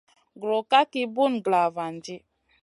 Gro ka ki bùn glavandi.